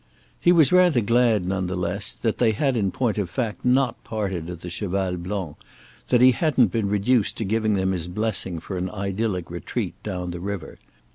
He was rather glad, none the less, that they had in point of fact not parted at the Cheval Blanc, that he hadn't been reduced to giving them his blessing for an idyllic retreat down the river.